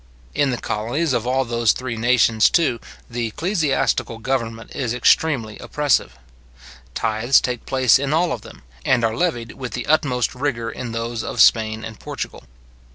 In the colonies of all those three nations, too, the ecclesiastical government is extremely oppressive. Tithes take place in all of them, and are levied with the utmost rigour in those of Spain and Portugal.